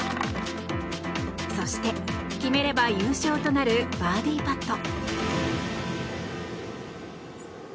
そして決めれば優勝となるバーディーパット。